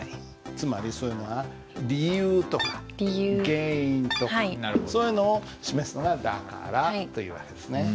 つまりそういうのは理由とか原因とかそういうのを示すのが「だから」という訳ですね。